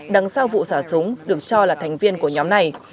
đằng sau vụ xả súng được cho là thành viên của nhóm này